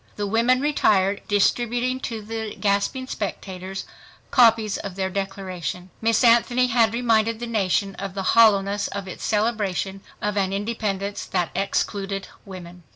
The women retired, distributing to the gasping spectators copies of their Declaration. Miss Anthony had reminded the nation of the hollowness of its celebration of an independence that excluded women.